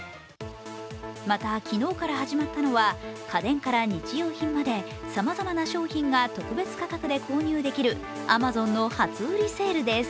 また昨日から始まったのは家電から日用品までさまざまな消費が特別価格で購入できるアマゾンの初売りセールです。